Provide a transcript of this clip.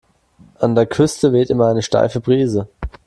An der Küste weht immer eine steife Brise.